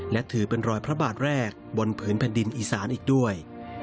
และถือเป็นรอยพระบาทแรกบนผืนแผ่นดินอีสานอีกด้วย